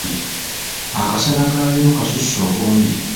Akasana ka leero kasusse obungi.